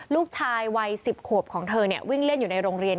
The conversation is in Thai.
ลูกชายวัย๑๐ขวบของเธอวิ่งเล่นอยู่ในโรงเรียน